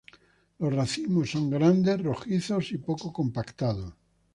Los racimos son grandes, rojizos y poco compactados.